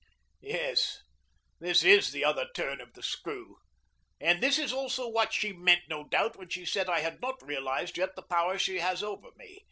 Yes, this is the other turn of the screw. And this is also what she meant, no doubt, when she said that I had not realized yet the power she has over me.